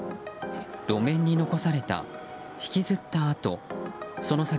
路面に残された引きずった跡。